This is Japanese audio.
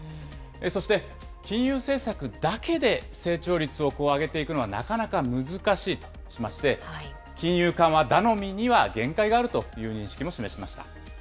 そして金融政策だけで成長率を上げていくのはなかなか難しいとしまして、金融緩和頼みには限界があるという認識も示しました。